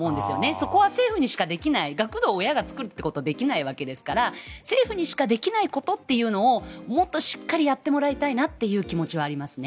そこは政府にしかできない学童を親が作ることはできないわけですから政府にしかできないことをしっかりやってほしいなと思いますね。